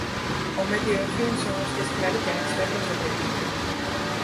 O medio e o fin son os que esclarecen as tebras do principio.